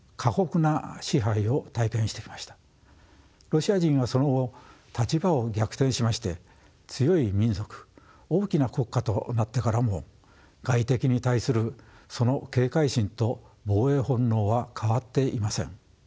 ロシア人がその後立場を逆転しまして強い民族大きな国家となってからも外敵に対するその警戒心と防衛本能は変わっていません。